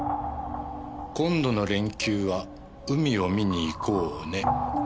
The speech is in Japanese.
今度の連休は海を見に行こうね。